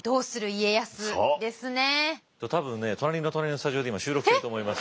多分ね隣の隣のスタジオで今収録していると思います。